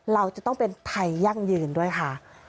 เราจะต้องเป็นไทยยั่งยืนด้วยค่ะ